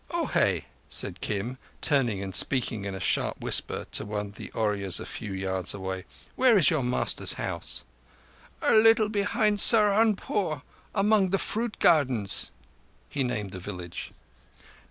"Ohé!" said Kim, turning and speaking in a sharp whisper to one of the Ooryas a few yards away. "Where is your master's house?" "A little behind Saharunpore, among the fruit gardens." He named the village.